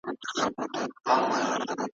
فرهنګي کسان د ټولني پټې ستونزې بيانوي.